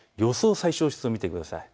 最小湿度、見てください。